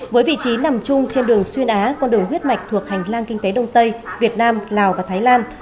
với vị trí nằm chung trên đường xuyên á con đường huyết mạch thuộc hành lang kinh tế đông tây việt nam lào và thái lan